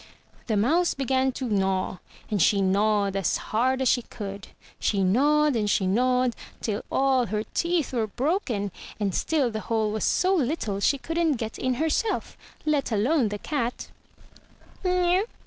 The mouse began to gnaw; and she gnawed as hard as she could. She gnawed and she gnawed till all her teeth were broken; and still the hole was so httle she couldn't get in herself, let alone the cat.